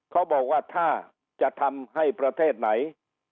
เขาบอกว่าถ้าจะทำให้ประเทศไหน